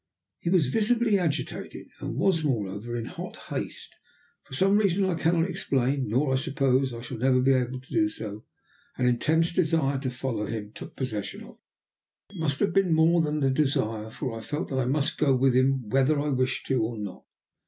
He was visibly agitated, and was moreover in hot haste. For some reason that I cannot explain, nor, I suppose, shall I ever be able to do so, an intense desire to follow him took possession of me. It must have been more than a desire, for I felt that I must go with him whether I wished to or not.